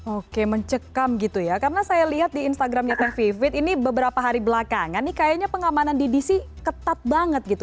oke mencekam gitu ya karena saya lihat di instagramnya kang vivit ini beberapa hari belakangan nih kayaknya pengamanan ddc ketat banget gitu